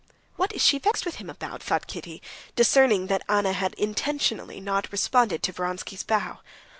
"What is she vexed with him about?" thought Kitty, discerning that Anna had intentionally not responded to Vronsky's bow.